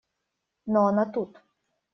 Но она тут.